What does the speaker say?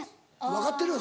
分かってるよ